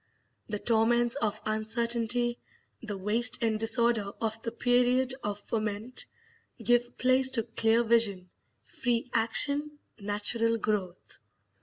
The torments of uncertainty, the waste and disorder of the period of ferment, give place to clear vision, free action, natural growth.